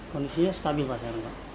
kondisinya stabil pak